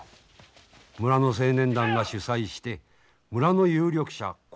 村の青年団が主催して村の有力者興